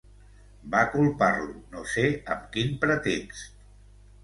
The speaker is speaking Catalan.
Va culpar-lo, no sé amb quin pretext.